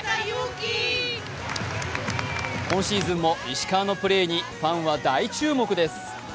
今シーズンも石川のプレーにファンは大注目です。